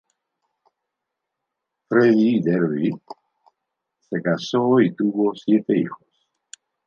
Freddy Derby se casó y tuvo siete hijos.